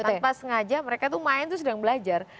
tanpa sengaja mereka tuh main tuh sedang belajar